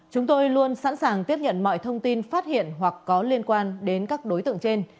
chúng tôi luôn sẵn sàng tiếp nhận mọi thông tin phát hiện hoặc có liên quan đến các đối tượng trên